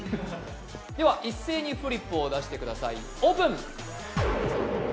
では一斉にフリップを出してくださいオープン！